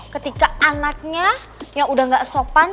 ketika anaknya yang udah gak sopan